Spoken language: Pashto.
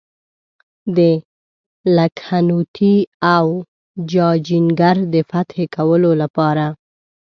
د لکهنوتي او جاجینګر د فتح کولو لپاره.